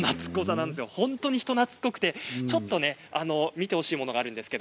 本当に人なつっこくてちょっと見てほしいものがあるんです。